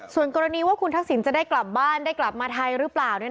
ส่วนกรณีว่าคุณทักษิณจะได้กลับบ้านได้กลับมาไทยหรือเปล่า